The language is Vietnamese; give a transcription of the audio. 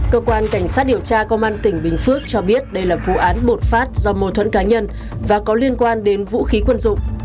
cơ quan cảnh sát điều tra công an tỉnh bình phước cho biết đây là vụ án bột phát do mô thuẫn cá nhân và có liên quan đến vũ khí quân dụng